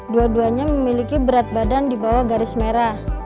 dua duanya memiliki berat badan di bawah garis merah